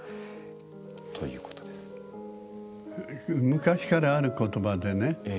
昔からある言葉でね